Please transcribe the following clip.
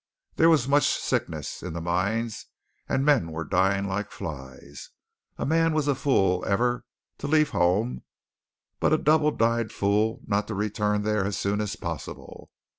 There was much sickness in the mines, and men were dying like flies. A man was a fool ever to leave home but a double dyed fool not to return there as soon as possible.